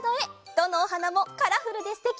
どのおはなもカラフルですてき！